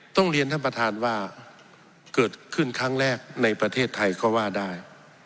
ต้องเรียนท่านประธานว่าเกิดขึ้นครั้งแรกในประเทศไทยก็ว่าได้